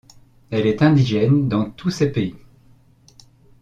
Elle est indigène dans tous ces pays.